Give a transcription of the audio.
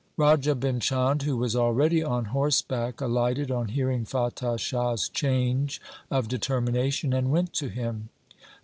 Raja Bhim Chand, who was already on horseback, alighted on hearing Fatah Shah's change of determination and went to him.